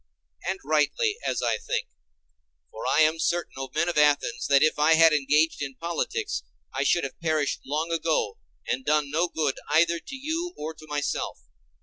And rightly, as I think. For I am certain, O men of Athens, that if I had engaged in politics, I should have perished long ago and done no good either to you or to myself.